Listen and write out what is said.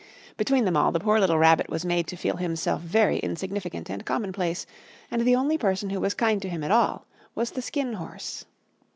Between them all the poor little Rabbit was made to feel himself very insignificant and commonplace, and the only person who was kind to him at all was the Skin Horse.